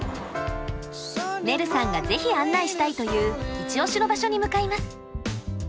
ねるさんが是非案内したいという一押しの場所に向かいます。